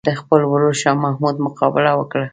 د خپل ورور شاه محمود مقابله وکړي.